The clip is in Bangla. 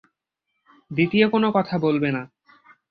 দ্বিতীয় কোনো কথা বলবে না।